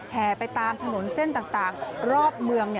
ไปตามถนนเส้นต่างรอบเมือง